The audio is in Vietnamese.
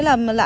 có nghĩa này